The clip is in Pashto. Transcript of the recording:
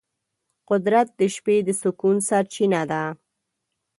قدرت د شپې د سکون سرچینه ده.